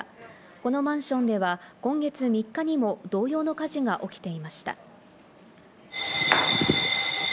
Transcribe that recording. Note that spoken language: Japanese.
このマンションでは今月３日にも同様の火事が起きていました。